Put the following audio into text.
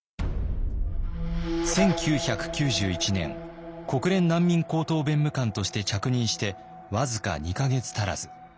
１９９１年国連難民高等弁務官として着任して僅か２か月足らず。